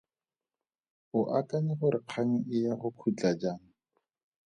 O akanya gore kgang e ya go khutla jang?